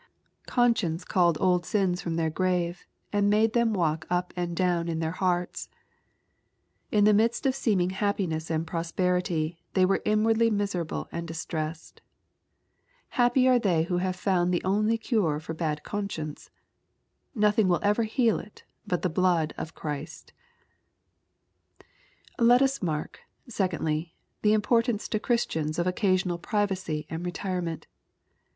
Conscience called old sins from their graves^ and made them walk up and down in tbeii LUKE, CHAP. IX. 297 hearts. In the midst of seeming happiness and prosper i ity they were inwardly miserable and distressed. Happy are they who have found the only cure for a bad con science ! Nothing will ever heal it but the blood of Christ, Let us mark, secondly, the importance to Christiana of occasional privacy and retirement.